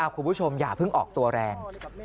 คุณผู้ชมอย่าเพิ่งออกตัวแรง